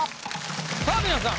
さぁ皆さん